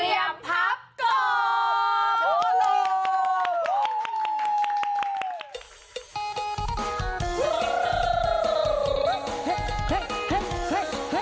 เตรียมพับกรอบ